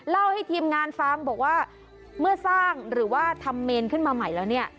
เล่าให้ทีมงานฟังบอกว่าเมื่อสร้างหรือว่าทำเมนขึ้นมาใหม่แล้วเนี่ย